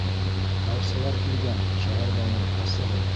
Яусылар килгән, Шәһәрбаныу, асығыҙ!